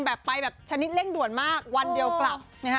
แบบชนิดเร่งด่วนมากวันเดียวกลับ